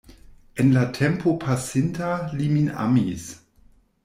En la tempo pasinta li min amis.